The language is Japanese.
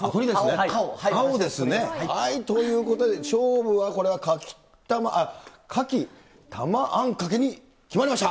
青ですね。ということで、勝負はこれは牡蠣たまあんかけに決まりました。